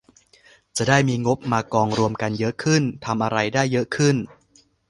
จะได้มีงบมากองรวมกันเยอะขึ้น ทำอะไรได้เยอะขึ้น